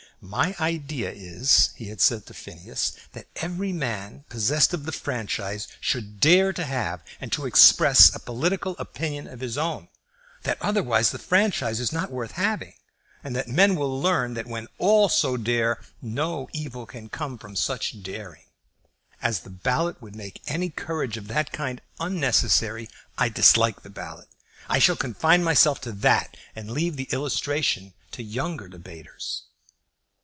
"My idea is," he had said to Phineas, "that every man possessed of the franchise should dare to have and to express a political opinion of his own; that otherwise the franchise is not worth having; and that men will learn that when all so dare, no evil can come from such daring. As the ballot would make any courage of that kind unnecessary, I dislike the ballot. I shall confine myself to that, and leave the illustration to younger debaters."